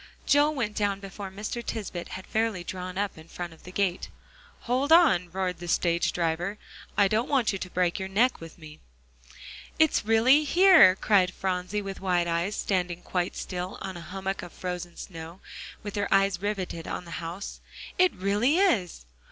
Joel was down before Mr. Tisbett had fairly drawn up in front of the gate. "Hold on," roared the stage driver, "I don't want you to break your neck with me." "It's really here!" cried Phronsie with wide eyes, standing quite still on a hummock of frozen snow, with her eyes riveted on the house. "It really is!"